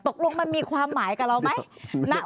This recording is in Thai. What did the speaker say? ตกลงมันมีความหมายกับเราไหม